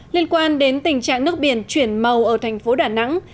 liên quan đến tình trạng nước biển chuyển màu ở thành phố đà nẵng